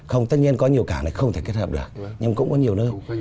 không tất nhiên có nhiều cảng này không thể kết hợp được nhưng cũng có nhiều nơi